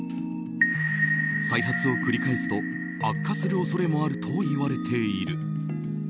再発を繰り返すと悪化する恐れもあるといわれている。